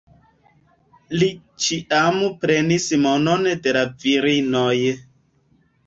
Li ĉiam prenis monon de la virinoj.